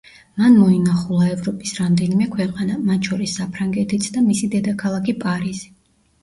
მან მოინახულა ევროპის რამდენიმე ქვეყანა, მათ შორის საფრანგეთიც და მისი დედაქალაქი პარიზი.